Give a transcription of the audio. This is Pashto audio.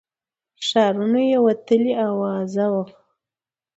تر ښارونو یې وتلې آوازه وه